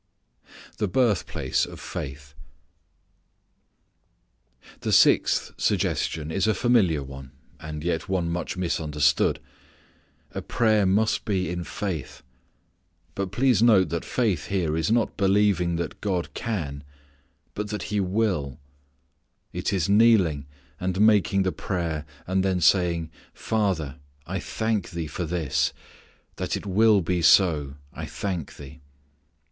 The Birthplace of Faith. The sixth suggestion is a familiar one, and yet one much misunderstood. Prayer must be in faith. But please note that faith here is not believing that God can, but that He will. It is kneeling and making the prayer, and then saying, "Father, I thank Thee for this; that it will be so, I thank Thee."